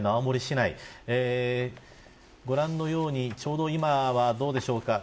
ご覧のようにちょうど今はどうでしょうか。